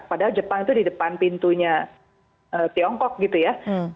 padahal jepang itu di depan pintunya tiongkok gitu ya